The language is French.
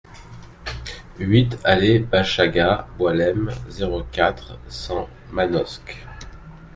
huit allée Bachagha Boualem, zéro quatre, cent Manosque